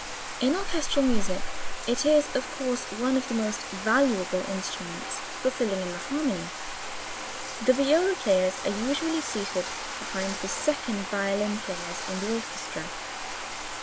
In orchestral music it is of course one of the most valuable instruments for filling in the harmony. The viola players are usually seated behind the second violin players in the orchestra.